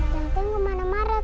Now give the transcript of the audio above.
cantiknya gimana maret